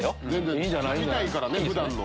いいんじゃない？